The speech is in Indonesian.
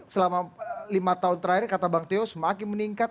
selama lima tahun terakhir kata bang teo semakin meningkat